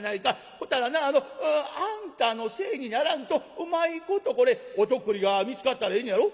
ほたらなあのあんたのせいにならんとうまいことこれお徳利が見つかったらええねやろ？」。